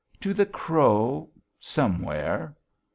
To the crow ... somewhere....